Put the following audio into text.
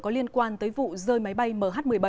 có liên quan tới vụ rơi máy bay mh một mươi bảy